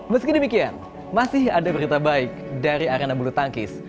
meski demikian masih ada berita baik dari arena bulu tangkis